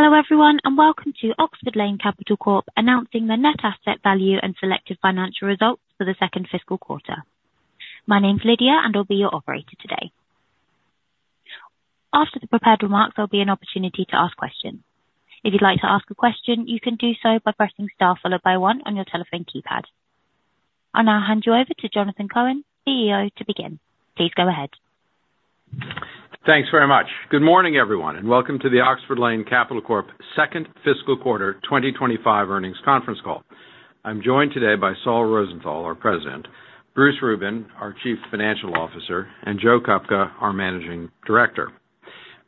Hello everyone, and welcome to Oxford Lane Capital Corp announcing the net asset value and selected financial results for the second fiscal quarter. My name's Lydia, and I'll be your operator today. After the prepared remarks, there'll be an opportunity to ask questions. If you'd like to ask a question, you can do so by pressing star followed by one on your telephone keypad. I'll now hand you over to Jonathan Cohen, CEO, to begin. Please go ahead. Thanks very much. Good morning, everyone, and welcome to the Oxford Lane Capital Corp second fiscal quarter 2025 earnings conference call. I'm joined today by Saul Rosenthal, our President, Bruce Rubin, our Chief Financial Officer, and Joe Kupka, our Managing Director.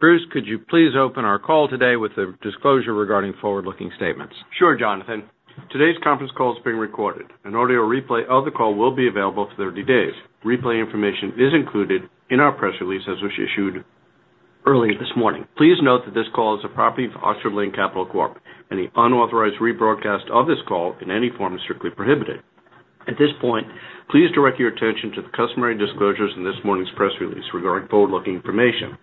Bruce, could you please open our call today with a disclosure regarding forward-looking statements? Sure, Jonathan. Today's conference call is being recorded, and audio replay of the call will be available for 30 days. Replay information is included in our press release as was issued earlier this morning. Please note that this call is a property of Oxford Lane Capital Corp, and the unauthorized rebroadcast of this call in any form is strictly prohibited. At this point, please direct your attention to the customary disclosures in this morning's press release regarding forward-looking information.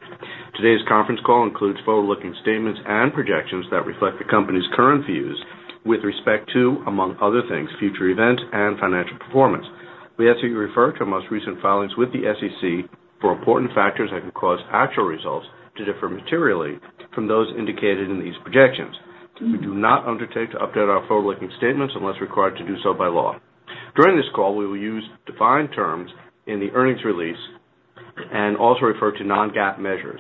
Today's conference call includes forward-looking statements and projections that reflect the company's current views with respect to, among other things, future events and financial performance. We ask that you refer to our most recent filings with the SEC for important factors that can cause actual results to differ materially from those indicated in these projections. We do not undertake to update our forward-looking statements unless required to do so by law. During this call, we will use defined terms in the earnings release and also refer to non-GAAP measures.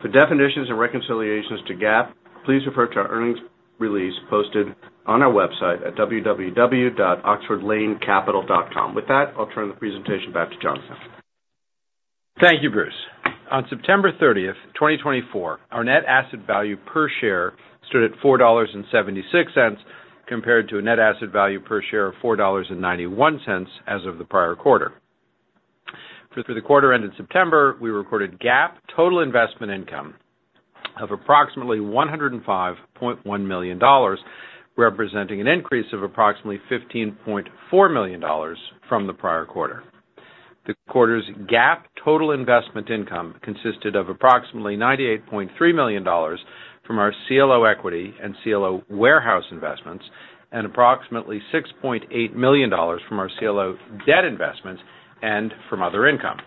For definitions and reconciliations to GAAP, please refer to our earnings release posted on our website at www.oxfordlanecapital.com. With that, I'll turn the presentation back to Jonathan. Thank you, Bruce. On September 30th, 2024, our net asset value per share stood at $4.76 compared to a net asset value per share of $4.91 as of the prior quarter. For the quarter ended September, we recorded GAAP total investment income of approximately $105.1 million, representing an increase of approximately $15.4 million from the prior quarter. The quarter's GAAP total investment income consisted of approximately $98.3 million from our CLO equity and CLO warehouse investments and approximately $6.8 million from our CLO debt investments and from other income.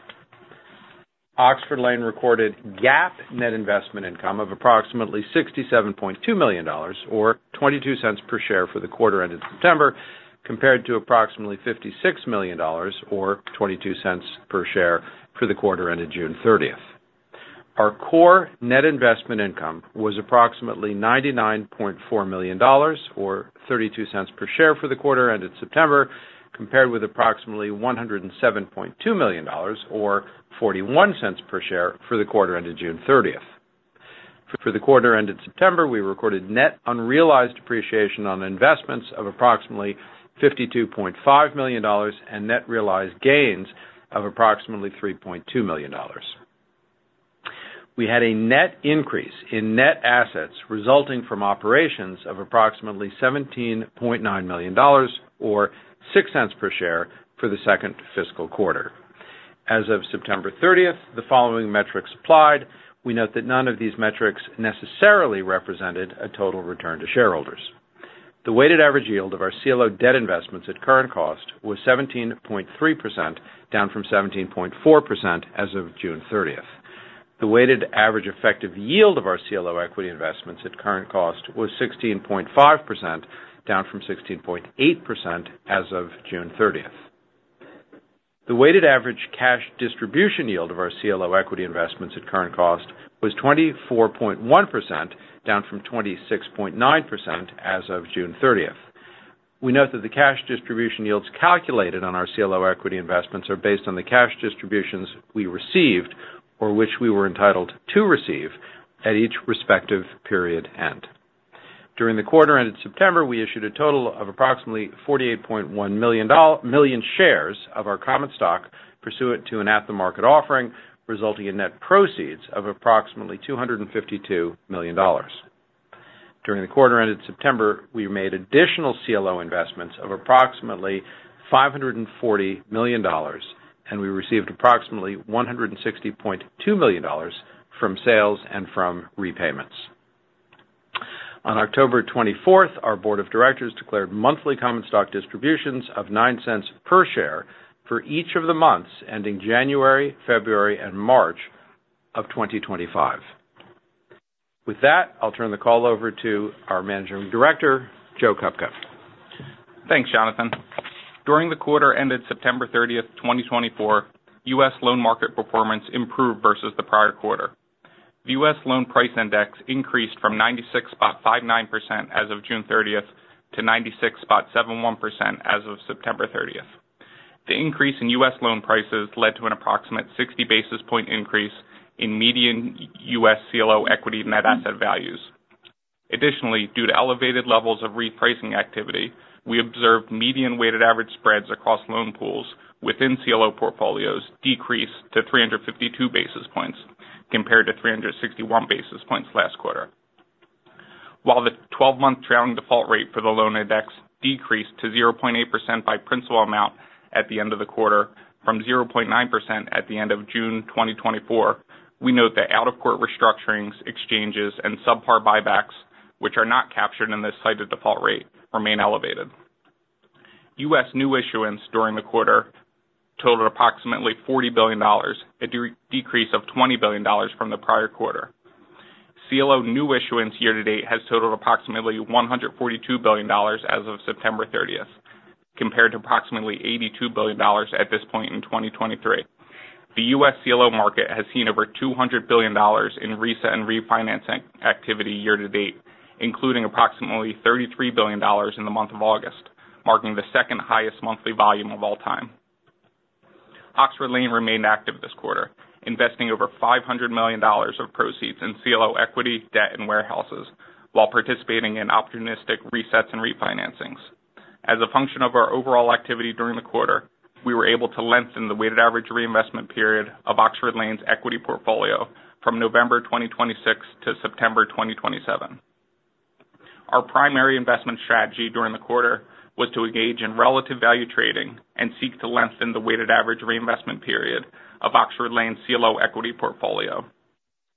Oxford Lane recorded GAAP net investment income of approximately $67.2 million, or $0.22 per share for the quarter ended September, compared to approximately $56 million, or $0.22 per share for the quarter ended June 30th. Our core net investment income was approximately $99.4 million, or $0.32 per share for the quarter ended September, compared with approximately $107.2 million, or $0.41 per share for the quarter ended June 30th. For the quarter ended September, we recorded net unrealized depreciation on investments of approximately $52.5 million and net realized gains of approximately $3.2 million. We had a net increase in net assets resulting from operations of approximately $17.9 million, or $0.06 per share for the second fiscal quarter. As of September 30th, the following metrics applied. We note that none of these metrics necessarily represented a total return to shareholders. The weighted average yield of our CLO debt investments at current cost was 17.3%, down from 17.4% as of June 30th. The weighted average effective yield of our CLO equity investments at current cost was 16.5%, down from 16.8% as of June 30th. The weighted average cash distribution yield of our CLO equity investments at current cost was 24.1%, down from 26.9% as of June 30th. We note that the cash distribution yields calculated on our CLO equity investments are based on the cash distributions we received or which we were entitled to receive at each respective period end. During the quarter ended September, we issued a total of approximately 48.1 million shares of our common stock pursuant to an at-the-market offering, resulting in net proceeds of approximately $252 million. During the quarter ended September, we made additional CLO investments of approximately $540 million, and we received approximately $160.2 million from sales and from repayments. On October 24th, our board of directors declared monthly common stock distributions of $0.09 per share for each of the months ending January, February, and March of 2025. With that, I'll turn the call over to our Managing Director, Joe Kupka. Thanks, Jonathan. During the quarter ended September 30th, 2024, U.S. loan market performance improved versus the prior quarter. The U.S. Loan Price Index increased from 96.59% as of June 30th to 96.71% as of September 30th. The increase in U.S. loan prices led to an approximate 60 basis point increase in median U.S. CLO equity net asset values. Additionally, due to elevated levels of repricing activity, we observed median weighted average spreads across loan pools within CLO portfolios decrease to 352 basis points compared to 361 basis points last quarter. While the 12-month trailing default rate for the loan index decreased to 0.8% by principal amount at the end of the quarter from 0.9% at the end of June 2024, we note that out-of-court restructurings, exchanges, and subpar buybacks, which are not captured in this cited default rate, remain elevated. U.S. New issuance during the quarter totaled approximately $40 billion, a decrease of $20 billion from the prior quarter. CLO new issuance year-to-date has totaled approximately $142 billion as of September 30th, compared to approximately $82 billion at this point in 2023. The U.S. CLO market has seen over $200 billion in reset and refinancing activity year-to-date, including approximately $33 billion in the month of August, marking the second highest monthly volume of all time. Oxford Lane remained active this quarter, investing over $500 million of proceeds in CLO equity, debt, and warehouses, while participating in opportunistic resets and refinancings. As a function of our overall activity during the quarter, we were able to lengthen the weighted average reinvestment period of Oxford Lane's equity portfolio from November 2026 to September 2027. Our primary investment strategy during the quarter was to engage in relative value trading and seek to lengthen the weighted average reinvestment period of Oxford Lane's CLO equity portfolio.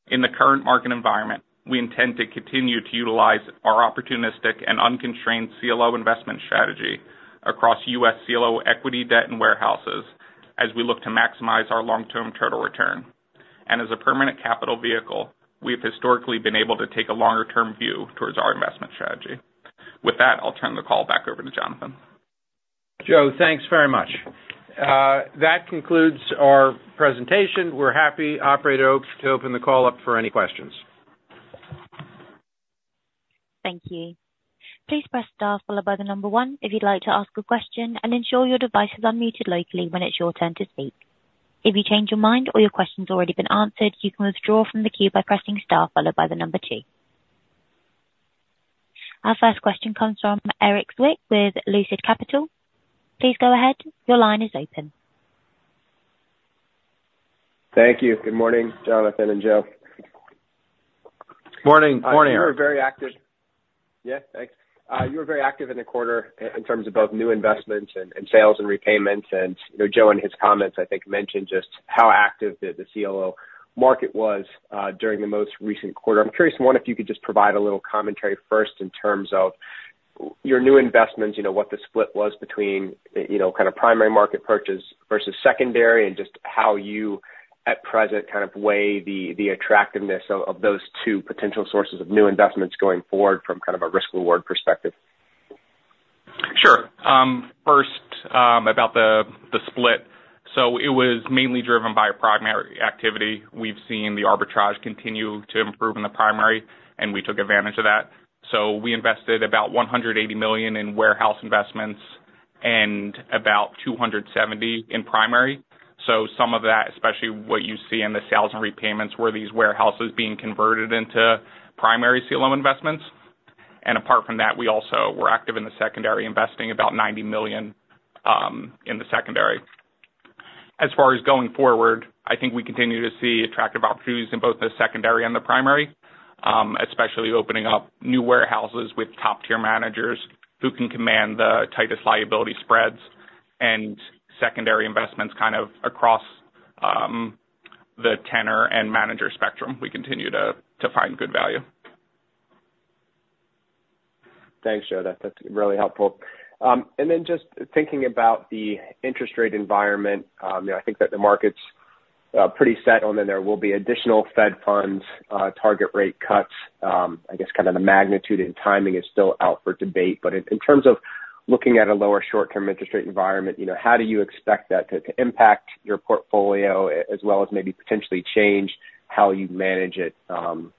In the current market environment, we intend to continue to utilize our opportunistic and unconstrained CLO investment strategy across U.S. CLO equity, debt, and warehouses as we look to maximize our long-term total return. And as a permanent capital vehicle, we have historically been able to take a longer-term view towards our investment strategy. With that, I'll turn the call back over to Jonathan. Joe, thanks very much. That concludes our presentation. We're happy to open the call up for any questions. Thank you. Please press star followed by the number one if you'd like to ask a question and ensure your device is unmuted locally when it's your turn to speak. If you change your mind or your question's already been answered, you can withdraw from the queue by pressing star followed by the number two. Our first question comes from Erik Zwick with Lucid Capital. Please go ahead. Your line is open. Thank you. Good morning, Jonathan and Joe. Morning. Hi. Morning, You were very active. Yeah, thanks. You were very active in the quarter in terms of both new investments and sales and repayments. And Joe and his comments, I think, mentioned just how active the CLO market was during the most recent quarter. I'm curious, one, if you could just provide a little commentary first in terms of your new investments, what the split was between kind of primary market purchase versus secondary, and just how you at present kind of weigh the attractiveness of those two potential sources of new investments going forward from kind of a risk-reward perspective. Sure. First, about the split. So it was mainly driven by primary activity. We've seen the arbitrage continue to improve in the primary, and we took advantage of that. So we invested about $180 million in warehouse investments and about $270 million in primary. So some of that, especially what you see in the sales and repayments, were these warehouses being converted into primary CLO investments. And apart from that, we also were active in the secondary, investing about $90 million in the secondary. As far as going forward, I think we continue to see attractive opportunities in both the secondary and the primary, especially opening up new warehouses with top-tier managers who can command the tightest liability spreads and secondary investments kind of across the tenor and manager spectrum. We continue to find good value. Thanks, Joe. That's really helpful. And then just thinking about the interest rate environment, I think that the market's pretty set on that there will be additional Fed funds target rate cuts. I guess kind of the magnitude and timing is still out for debate. But in terms of looking at a lower short-term interest rate environment, how do you expect that to impact your portfolio as well as maybe potentially change how you manage it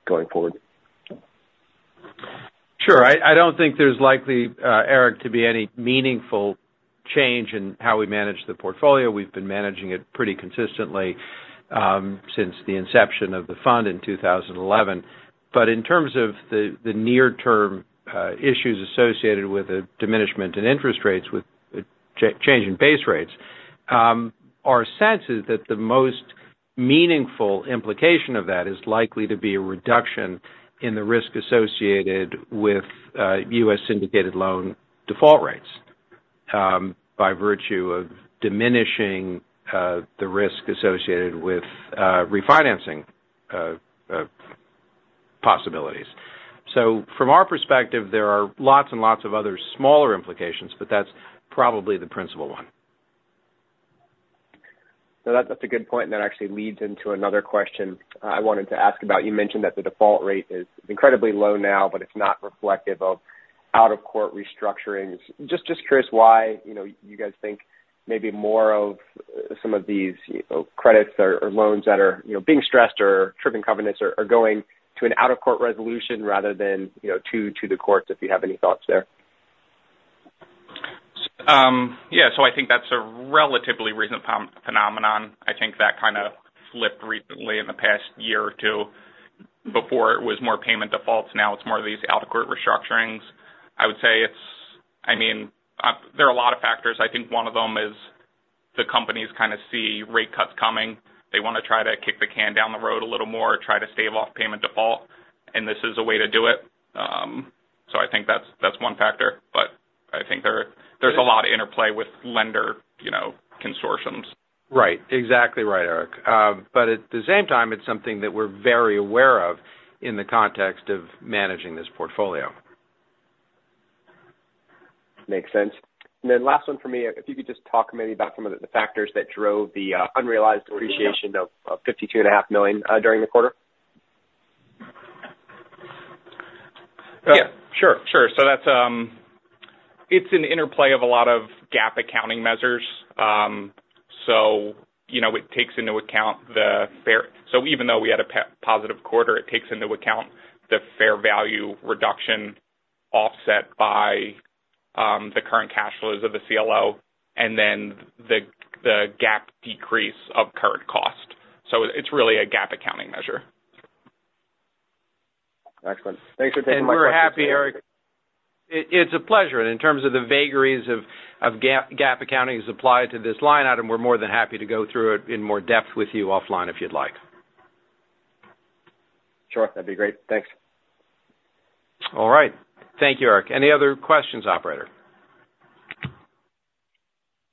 going forward? Sure. I don't think there's likely, Eric, to be any meaningful change in how we manage the portfolio. We've been managing it pretty consistently since the inception of the fund in 2011. But in terms of the near-term issues associated with a diminishment in interest rates with a change in base rates, our sense is that the most meaningful implication of that is likely to be a reduction in the risk associated with U.S. syndicated loan default rates by virtue of diminishing the risk associated with refinancing possibilities. So from our perspective, there are lots and lots of other smaller implications, but that's probably the principal one. That's a good point. That actually leads into another question I wanted to ask about. You mentioned that the default rate is incredibly low now, but it's not reflective of out-of-court restructurings. Just curious why you guys think maybe more of some of these credits or loans that are being stressed or tripping covenants are going to an out-of-court resolution rather than to the courts, if you have any thoughts there. Yeah. So I think that's a relatively recent phenomenon. I think that kind of flipped recently in the past year or two. Before, it was more payment defaults. Now it's more of these out-of-court restructurings. I would say it's. I mean, there are a lot of factors. I think one of them is the companies kind of see rate cuts coming. They want to try to kick the can down the road a little more, try to stave off payment default, and this is a way to do it. So I think that's one factor. But I think there's a lot of interplay with lender consortiums. Right. Exactly right, Eric. But at the same time, it's something that we're very aware of in the context of managing this portfolio. Makes sense and then last one for me, if you could just talk maybe about some of the factors that drove the unrealized depreciation of $52.5 million during the quarter. Yeah. Sure. Sure. So it's an interplay of a lot of GAAP accounting measures. So it takes into account the fair—so even though we had a positive quarter, it takes into account the fair value reduction offset by the current cash flows of the CLO and then the GAAP decrease of current cost. So it's really a GAAP accounting measure. Excellent. Thanks for taking my question. We're happy, Eric. It's a pleasure, and in terms of the vagaries of GAAP accounting as applied to this line item, we're more than happy to go through it in more depth with you offline if you'd like. Sure. That'd be great. Thanks. All right. Thank you, Eric. Any other questions, operator?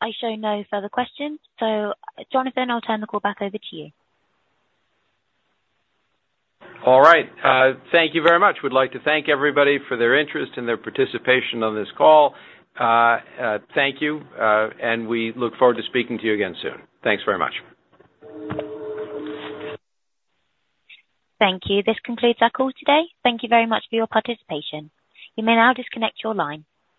I show no further questions. So, Jonathan, I'll turn the call back over to you. All right. Thank you very much. We'd like to thank everybody for their interest and their participation on this call. Thank you. And we look forward to speaking to you again soon. Thanks very much. Thank you. This concludes our call today. Thank you very much for your participation. You may now disconnect your line.